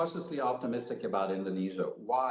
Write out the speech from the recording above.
lebih rendah di asia dan indonesia